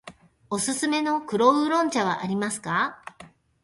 おすすめの黒烏龍茶はありますか。